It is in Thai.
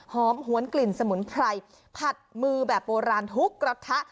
หวนกลิ่นสมุนไพรผัดมือแบบโบราณทุกกระทะ